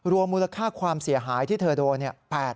รวมมูลค่าความเสียหายที่เธอโดย๘๐๐บาท